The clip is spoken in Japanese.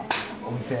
お店。